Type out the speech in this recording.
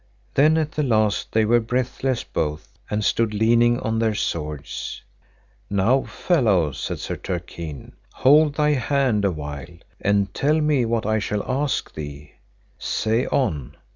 Then at the last they were breathless both, and stood leaning on their swords. Now fellow, said Sir Turquine, hold thy hand a while, and tell me what I shall ask thee. Say on.